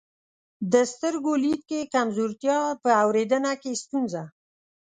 د سترګو لید کې کمزورتیا، په اورېدنه کې ستونزه،